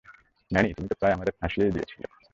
Many, তুমি তো প্রায় আমাদের ফাঁসিয়েই দিয়েছিলে।